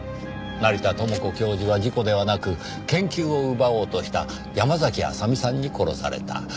成田知子教授は事故ではなく研究を奪おうとした山嵜麻美さんに殺された。